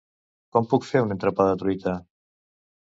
Com puc fer un entrepà de truita?